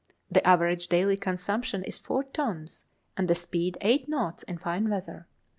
The average daily consumption is four tons, and the speed eight knots in fine weather.